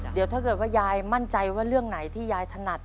เดี๋ยวถ้าเกิดว่ายายมั่นใจว่าเรื่องไหนที่ยายถนัด